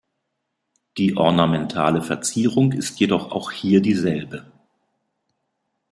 Die ornamentale Verzierung ist jedoch auch hier dieselbe.